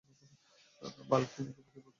বাল তিনি কি প্রচুর মদ খেতেন?